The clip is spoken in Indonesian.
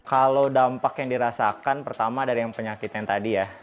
kalau dampak yang dirasakan pertama dari yang penyakit yang tadi ya